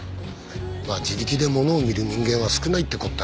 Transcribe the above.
まあ自力でものを見る人間は少ないって事だな。